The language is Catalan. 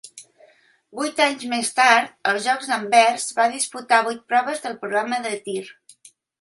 Vuit anys més tard, als Jocs d'Anvers, va disputar vuit proves del programa de tir.